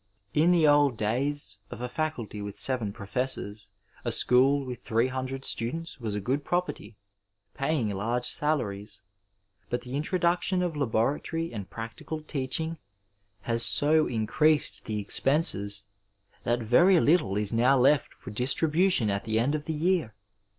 In the old days of a faculty with seven pro fessors, a school with 300 students was a good property, paying large salaries, but the introduction of laboratory and practical teaching has so increased tilie expenses that very little is now left for distribution at the end of the year.